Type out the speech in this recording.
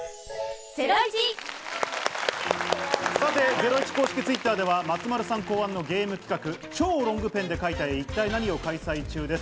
ゼロイチ公式Ｔｗｉｔｔｅｒでは松丸さん考案のゲーム企画「超ロングペンで描いた絵一体ナニ！？」を開催中です。